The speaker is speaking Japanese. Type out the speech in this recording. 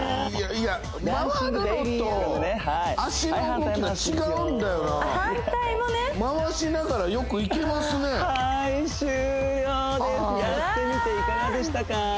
反対もね回しながらよくいけますねはいやってみていかがでしたか？